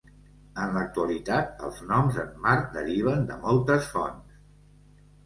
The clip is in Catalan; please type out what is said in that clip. En l'actualitat, els noms en Mart deriven de moltes fonts.